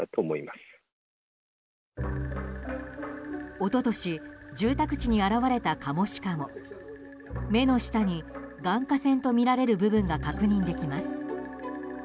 一昨年住宅地に現れたカモシカも目の下に眼下腺とみられる部分が確認できます。